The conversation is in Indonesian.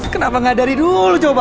kenapa gak dari dulu coba